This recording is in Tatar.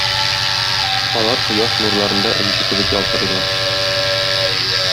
Алар кояш нурларында энҗе кебек ялтырыйлар.